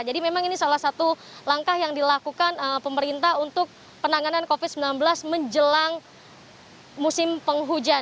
jadi memang ini salah satu langkah yang dilakukan pemerintah untuk penanganan covid sembilan belas menjelang musim penghujan